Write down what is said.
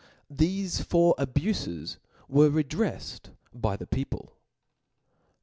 Tbefe four abufes were redreflcd by the people. I*.